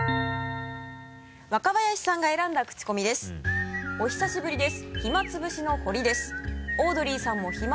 若林さんが選んだクチコミです。